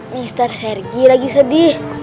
mr sergei lagi sedih